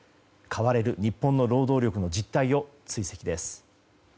買われる日本の労働力の実態を追跡です。